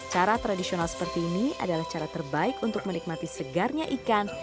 cara tradisional seperti ini adalah cara terbaik untuk menikmati segarnya ikan